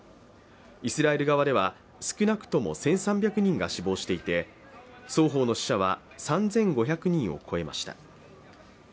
イスラエル側では、少なくとも１３００人が死亡していて、双方の死者は３５００人を超えました。